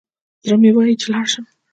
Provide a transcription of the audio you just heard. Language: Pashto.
زړه مي وايي چي لاړ شم